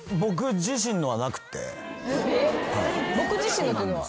僕自身のというのは？